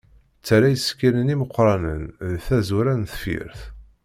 Ttarra isekkilen imeqranen deg tazwara n tefyirt.